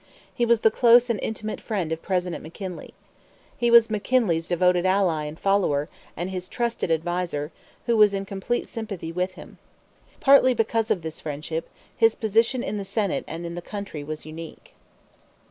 He was the close and intimate friend of President McKinley. He was McKinley's devoted ally and follower, and his trusted adviser, who was in complete sympathy with him. Partly because of this friendship, his position in the Senate and in the country was unique.